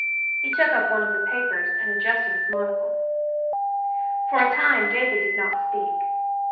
He took up one of the papers and adjusted his monocle. For a time David did not speak.